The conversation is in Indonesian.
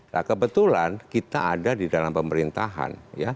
nah kebetulan kita ada di dalam pemerintahan